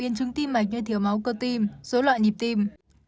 như thiếu máu cơ tim số loại nhịp tim